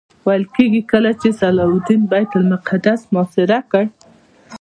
ویل کېږي کله چې صلاح الدین بیت المقدس محاصره کړ.